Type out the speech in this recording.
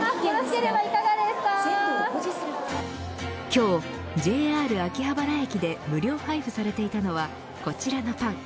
今日ＪＲ秋葉原駅で無料配布されていたのはこちらのパン。